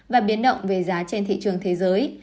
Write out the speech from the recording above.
và biến động về giá trên thị trường thế giới